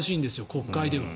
国会では。